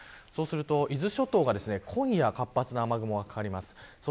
そうすると伊豆諸島に今夜、活発な雨雲がかかります。